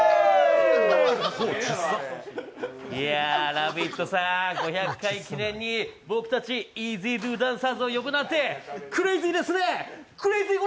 「ラヴィット！」５００回記念に僕たち、イージードゥダンサーズを呼ぶなんてクレイジーですね。